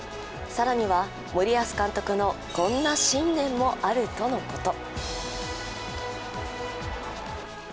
更には森保監督のこんな信念もあるとのこと。